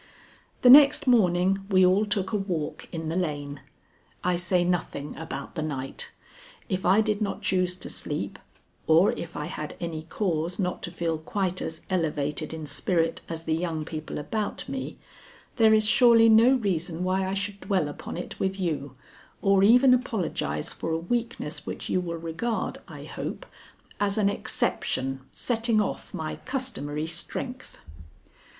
The next morning we all took a walk in the lane. (I say nothing about the night. If I did not choose to sleep, or if I had any cause not to feel quite as elevated in spirit as the young people about me, there is surely no reason why I should dwell upon it with you or even apologize for a weakness which you will regard, I hope, as an exception setting off my customary strength.)